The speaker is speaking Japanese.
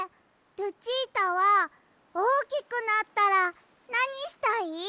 ルチータはおおきくなったらなにしたい？